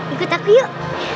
ikut aku yuk